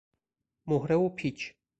مهره و پیچ